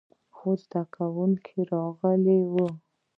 څو زده کوونکي راغلي وو.